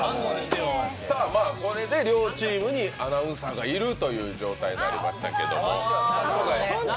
これで両チームにアナウンサーがいるという形になりましたけれども。